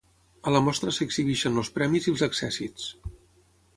A la mostra s'exhibeixen els premis i els accèssits.